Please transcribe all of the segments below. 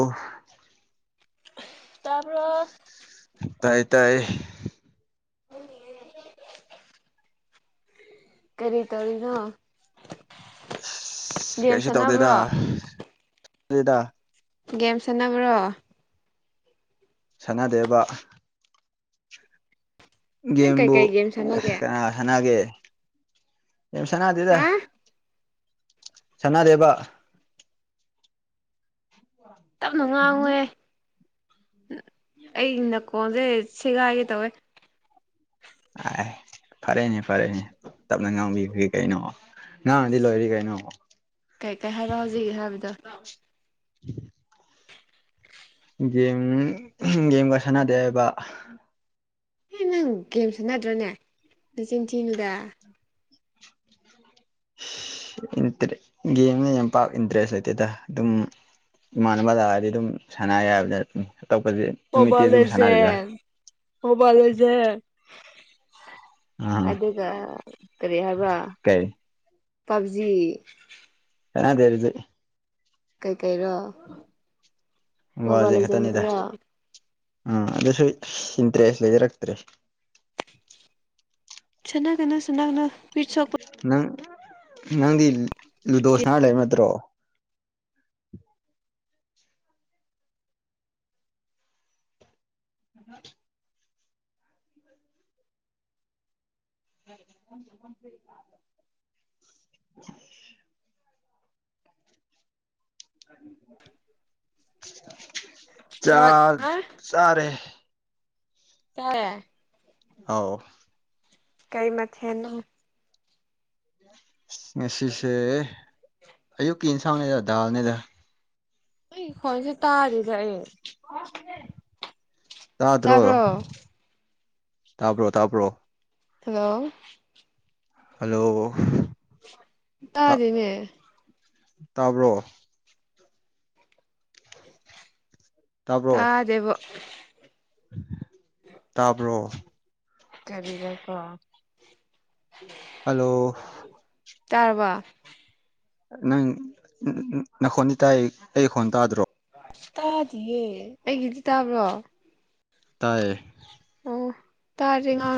ꯑ [unintelligible] ꯇꯥꯕꯔ꯭ꯣ ꯇꯥꯏ ꯇꯥꯏ ꯎ [unintelligible] ꯀꯔꯤ ꯇꯧꯔꯤꯅꯣ ꯑꯁ ꯒꯦꯝ ꯀꯩꯁꯨ ꯇꯧꯗꯦꯗꯥ ꯁꯥꯟꯅꯕ꯭ꯔꯣ ꯒꯦꯝ ꯁꯅꯕ꯭ꯔꯣ ꯁꯅꯥꯗꯦꯕ ꯅꯪ ꯒꯦꯕꯨ ꯀꯩꯀꯩ ꯒꯦꯝ ꯁꯥꯟꯅꯒꯦ ꯆꯅꯒꯦ ꯃꯤ ꯁꯉꯗꯗ ꯍꯥ ꯆꯅꯥ ꯗꯦꯕ ꯇꯞꯅ ꯉꯥꯡꯋꯦ ꯑꯩ ꯅꯀꯣꯟꯁꯦ ꯁꯦꯒꯥꯏꯒꯦ ꯇꯧꯋꯦ ꯑ ꯐꯔꯦꯅꯦ ꯐꯔꯦꯅꯦ ꯇꯞꯅ ꯉꯥꯡꯕꯤꯈꯔꯤ ꯀꯩꯅꯣ ꯉꯥꯡꯉꯗꯤ ꯂꯣꯏꯔꯤ ꯀꯩꯅꯣ ꯀꯩꯀꯩ ꯍꯥꯏꯔꯣ ꯍꯧꯖꯤꯛꯀꯤ ꯍꯥꯏꯕꯗ [unintelligible] ꯒꯦꯝ ꯒꯦꯝꯒ ꯁꯅꯥꯗꯦꯕ ꯑꯦ ꯅꯪ ꯒꯦꯝ ꯁꯥꯟꯅꯗ꯭ꯔꯅꯦ ꯅꯆꯤꯟ ꯊꯤꯅꯨꯗ ꯇ ꯒꯦꯝꯅ ꯌꯥꯝ ꯄꯥꯛ ꯏꯟꯇꯔꯦꯁ ꯂꯩꯇꯦꯗ ꯑꯗꯨꯝ ꯏꯃꯥꯟꯅꯕ ꯂꯥꯛꯑꯗꯤ ꯑꯗꯨꯝ ꯁꯥꯟꯅꯦ ꯍꯥꯏꯕꯅꯦ ꯑꯇꯣꯄꯁꯤ ꯅꯨꯃꯤꯠꯇꯤ ꯑꯗꯨꯝ ꯁꯥꯟꯅꯔꯤꯗ ꯑꯣ ꯋꯥꯦꯖꯦ ꯑꯥ ꯑꯗꯨꯒ ꯁꯔꯤ ꯍꯥꯏꯕ ꯀꯩ ꯄꯕꯖꯤ ꯑ ꯑꯗꯨ ꯑꯗꯨꯗꯤ ꯀꯩꯀꯩꯔꯣ ꯃꯣꯕꯥꯏꯜ ꯋꯥꯁꯦ ꯂꯦꯖꯦꯟ ꯈꯛꯇꯅꯤꯗ ꯈꯛꯇꯔꯣ ꯎꯝ ꯑꯗꯨꯁꯨ ꯏꯟꯇꯔꯦꯁ ꯂꯩꯖꯔꯛꯇ꯭ꯔꯦ ꯆꯅꯥꯒꯅ ꯆꯅꯥꯒꯅ ꯄꯤꯠꯁꯣꯀꯣ ꯅꯪ ꯅꯪꯗꯤ ꯂꯨꯗꯣꯁꯅꯥ ꯂꯩꯕ ꯅꯠꯇ꯭ꯔꯣ ꯎꯝ [unintelligible] ꯆꯥ ꯆꯥꯛ ꯍꯥ ꯆꯔꯦ ꯇꯔꯦ ꯑ ꯀꯩ ꯃꯊꯦꯅ ꯉꯁꯤꯁꯦ ꯑꯌꯨꯛꯀꯤ ꯏꯟꯁꯥꯡꯅꯦꯗ ꯗꯥꯜꯅꯦꯗ ꯑꯩ ꯈ꯭ꯋꯥꯏꯁꯦ ꯇꯥꯔꯤꯗꯑ ꯇꯥꯇ꯭ꯔꯣ ꯇꯥꯕ꯭ꯔꯣ ꯊꯥꯄ꯭ꯔꯣ ꯊꯥꯄ꯭ꯔꯣ ꯍꯜꯂꯣ ꯍꯜꯂꯣ ꯇꯥꯗ‌ꯣꯅꯦ ꯇꯥꯕ꯭ꯔꯣ ꯇꯥꯕ꯭ꯔꯣ ꯇꯥꯖꯦꯕ ꯇꯥꯕ꯭ꯔꯣ ꯀꯔꯤꯗ ꯀꯥꯎ ꯍꯜꯂꯣ ꯇꯔꯕ ꯅꯪ ꯅꯪꯈꯣꯟꯗꯤ ꯇꯥꯏ ꯑꯩꯈꯣꯟ ꯇꯥꯗ꯭ꯔꯣ ꯇꯥꯗꯤꯌꯦ ꯑꯩꯒꯤꯗꯤ ꯇꯥꯕ꯭ꯔꯣ ꯇꯥꯏꯌꯦ ꯇꯥꯔ ꯑ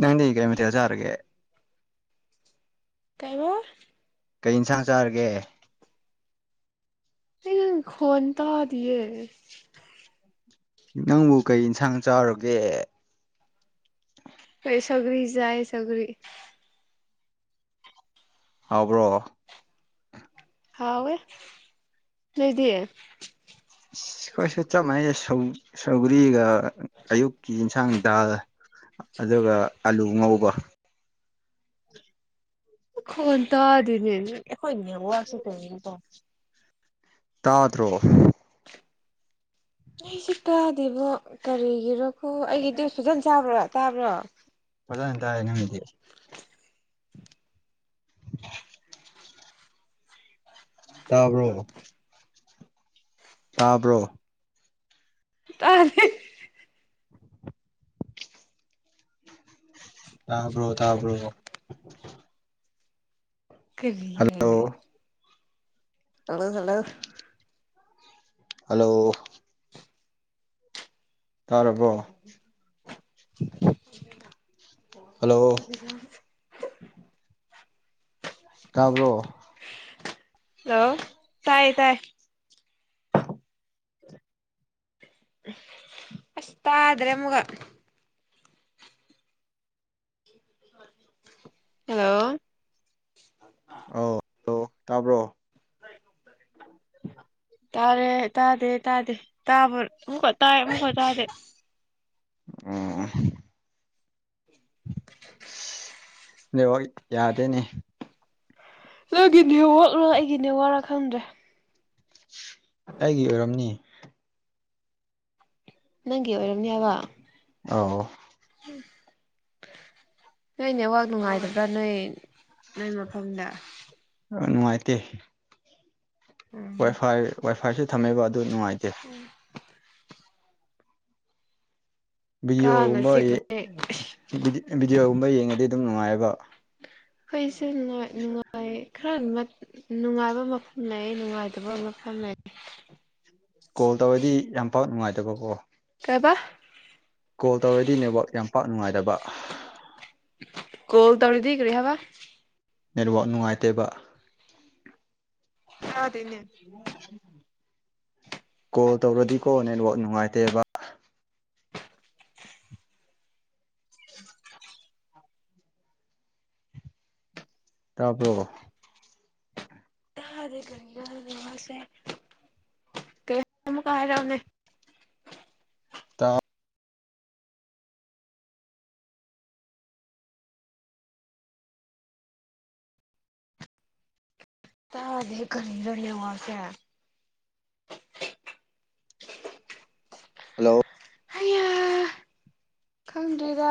ꯅꯪꯗꯤ ꯀꯩ ꯃꯊꯛ ꯆꯥꯔꯒꯦ ꯀꯥꯏꯕ ꯀꯩ ꯏꯟꯁꯥꯡ ꯆꯥꯔꯒꯦ ꯂ‌ꯪꯒꯤ ꯈꯣꯟꯅ ꯇꯗꯤꯌꯦ ꯅꯪꯕꯨ ꯀꯩ ꯏꯟꯁꯥꯡ ꯆꯥꯔꯒꯦ ꯀꯩ ꯁꯒꯔꯤꯁꯏ ꯁꯒꯂꯤ ꯑꯕ꯭ꯔꯣ ꯍꯥꯎ ꯂꯩꯗꯤꯑꯦ ꯁꯧꯒꯔꯤꯒꯥ ꯑꯌꯨꯛꯀꯤ ꯌꯦꯟꯁꯥꯡ ꯗꯥꯜ ꯑꯗꯨꯒ ꯑꯂꯨ ꯉꯧꯕ ꯋꯥ ꯈꯣꯟ ꯇꯥꯗꯤꯅꯦ ꯑꯩꯈꯣꯏ ꯋꯥꯁꯨ ꯀ ꯇꯥ ꯇꯔꯣꯛ ꯑꯩꯁꯨ ꯀꯥꯗꯦꯕꯣ ꯀꯔꯤꯒꯤꯔꯣꯀꯣ ꯑꯩꯒꯤ ꯐꯖꯅ ꯆꯥꯕ꯭ꯔꯥ ꯇꯥꯕ꯭ꯔꯥ ꯐꯖꯅ ꯇꯥꯏ ꯅꯪꯒꯤꯗꯤ ꯇꯥꯕ꯭ꯔꯣ ꯇꯥꯕ꯭ꯔꯣ ꯇꯥꯦ ꯇꯥꯕ꯭ꯔꯣ ꯇꯥꯕ꯭ꯔꯣ ꯀꯔꯤꯂꯦ ꯍꯜꯂꯣ ꯍꯜꯂꯣ ꯍꯜꯂꯣ ꯍꯜꯂꯣ ꯇꯥꯔꯕꯣ ꯍꯜꯂꯣ [inaudible] ꯇꯥꯕ꯭ꯔꯣ ꯍꯜꯂꯣ ꯇꯥꯏ ꯇꯥꯏ ꯑꯁꯗ꯭ꯔꯦ ꯃꯨꯒ ꯍꯂꯣ ꯑꯥꯎ ꯍꯂ ꯇꯥꯕ꯭ꯔꯣ ꯇꯥꯔꯦ ꯇꯥꯗꯦ ꯇꯥꯗꯦ ꯇꯥꯕ ꯎꯨꯃꯨꯀꯥ ꯇꯑꯦ ꯑꯃꯨꯀ ꯇꯗꯦ ꯑꯥ ꯅꯕ ꯌꯥꯗꯦꯅꯦ ꯅꯪꯒꯤꯅꯦ ꯋꯥꯂꯣ ꯑꯩꯒꯤꯅꯦ ꯋꯥꯔꯥ ꯈꯪꯗ꯭ꯔꯦ ꯑꯩꯒꯤ ꯑꯣꯏꯔꯝꯅꯤ ꯅꯪꯒꯨ ꯑꯣꯏꯔꯝꯌꯥꯕ ꯑꯥ [inaudible] ꯅꯣꯏ ꯅꯦꯠꯋꯥꯛ ꯅꯨꯡꯉꯥꯏꯒꯕ꯭ꯔꯥ ꯅꯣꯏ ꯅꯣꯏ ꯃꯐꯝꯗ ꯅꯨꯡꯉꯥꯏꯇꯦ ꯎꯝ ꯋꯥꯏꯐꯥꯏ ꯋꯥꯏꯐꯥꯏꯁꯨ ꯊꯝꯃꯦꯕ ꯑꯗꯨ ꯅꯨꯡꯉꯥꯏꯇꯦ ꯀꯥꯡꯅ ꯚꯤꯗꯤꯑꯣꯒꯨꯝꯕ ꯆꯤꯛꯄꯅꯦ ꯚꯤꯗꯤꯑꯣꯒꯨꯝꯕ ꯌꯦꯡꯉꯗꯤ ꯑꯗꯨꯝ ꯅꯨꯡꯉꯥꯏꯑꯕ ꯑꯩꯈꯣꯏꯁꯨꯅꯨꯡꯥꯏ ꯅꯨꯡꯉꯥꯏ ꯈꯔ ꯅꯨꯡꯉꯥꯏꯕ ꯃꯐꯝ ꯂꯩ ꯅꯨꯡꯉꯥꯏꯇꯕ ꯑꯃ ꯐꯃꯦ ꯀꯣꯜ ꯇꯧꯔꯗꯤ ꯌꯥꯝ ꯐꯕ ꯅꯨꯡꯉꯥꯏꯇꯕꯀꯣ ꯇꯦꯕꯥꯛ ꯀꯣꯜ ꯇꯧꯔꯗꯤ ꯅꯦꯠꯋꯥꯛ ꯌꯥꯝ ꯄꯥꯛ ꯅꯨꯡꯉꯥꯏꯇꯕ ꯀꯣꯜ ꯇꯧꯂꯤꯗꯈꯔꯤ ꯍꯥꯏꯕ ꯅꯦꯠꯋꯥꯛ ꯅꯨꯡꯉꯥꯏꯇꯦꯕ ꯑꯗꯅꯦ ꯀꯣꯜ ꯇꯧꯔꯗꯤꯀꯣ ꯅꯦꯠꯋꯥꯛ ꯅꯨꯡꯉꯥꯏꯇꯦꯕ ꯇꯥꯞ꯭ꯔꯣꯣ ꯍꯔꯦ ꯀꯔꯤꯔꯗ ꯑꯁꯦ ꯀꯩ ꯀꯥꯔꯅꯦ ꯇ ꯇꯥꯗ ꯀꯅꯤ ꯂꯅꯤ ꯋꯥꯁꯦ ꯍꯜꯂꯣ ꯍꯌꯥ ꯈꯪꯗ꯭ꯣꯏꯔꯥ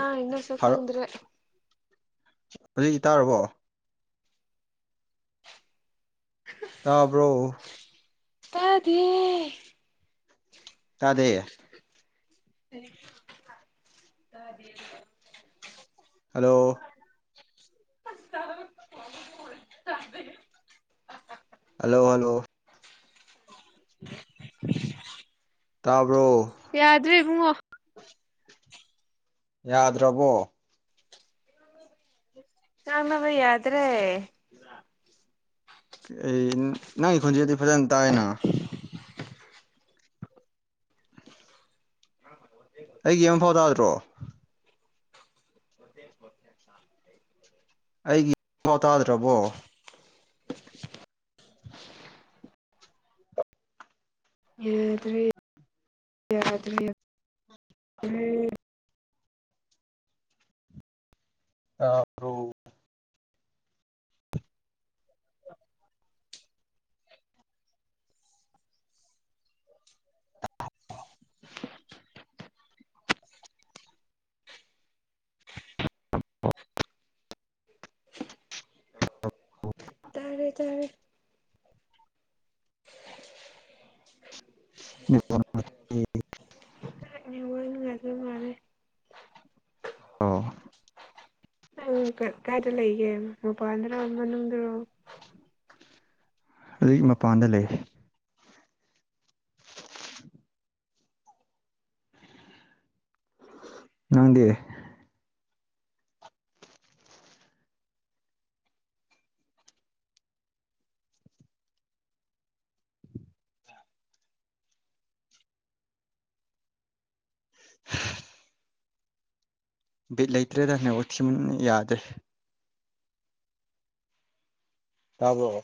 ꯑꯅ ꯏꯟꯅ ꯁꯀꯥꯗꯨꯔꯦ ꯍꯧꯖꯤꯛ ꯏ ꯇꯥꯔꯕꯣ ꯇꯥꯕ꯭ꯔꯣ ꯇꯥꯗꯦ ꯇꯗꯦ ꯑ [unintelligible] [inaudible] ꯍꯜꯂꯣ ꯍꯜꯂꯣ ꯍꯜꯂꯣ ꯇꯥꯕ ꯌꯥꯗ꯭ꯔꯦ ꯏꯕꯨꯉꯣ ꯌꯥꯗ꯭ꯔꯕꯣ ꯉꯥꯡꯅꯕ ꯌꯗꯔꯦ ꯑꯩ ꯅꯪꯒꯤ ꯈꯨꯣꯟꯖꯗꯤ ꯐꯖꯅ ꯇꯥꯏꯅ ꯍ [unintelligible] [inaudible] ꯑꯩꯒꯤ ꯑꯃ ꯐꯥꯎ ꯇꯥꯗ꯭ꯔꯣ ꯊ [unintelligible] ꯑꯩꯒꯤ ꯑꯐꯎ ꯇꯥꯗ꯭ꯔꯕꯣ ꯌꯥꯗꯔꯦ ꯌꯥꯗꯔꯦ ꯇꯥꯕꯔꯣ [unintelligible] [inaudible] [unintelligible] [inaudible] ꯇꯥꯔꯦ ꯇꯥꯔꯦ ꯅꯦꯋꯥꯔꯛ ꯅꯨꯉꯥꯏ [unintelligible] ꯑꯗꯨ ꯃꯥꯅꯦꯦ [unintelligible] [inaudible] ꯑꯣ ꯎ ꯀ ꯀꯥꯏꯗ ꯂꯩꯒꯦ ꯃꯄꯥꯥꯟꯗ꯭ꯔꯣ ꯃꯅꯨꯡꯗ꯭ꯔꯣ ꯍꯧꯖꯤꯛ ꯃꯄꯥꯟꯗ ꯂꯩ ꯅꯪꯗꯤ [unintelligible] [inaudible] ꯕꯤꯠ ꯂꯩꯇ꯭ꯔꯦꯗ ꯅꯦꯋꯛ ꯊꯤꯃꯟꯅ ꯌꯥꯗ꯭ꯔꯦ ꯇꯥꯕꯔꯣ